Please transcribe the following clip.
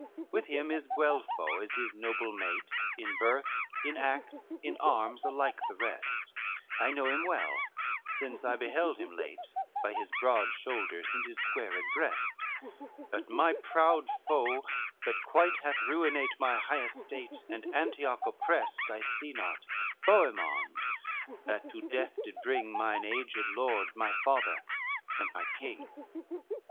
LXIII "With him is Guelpho, as his noble mate, In birth, in acts, in arms alike the rest, I know him well, since I beheld him late, By his broad shoulders and his squared breast: But my proud foe that quite hath ruinate My high estate, and Antioch opprest, I see not, Boemond, that to death did bring Mine aged lord, my father, and my king."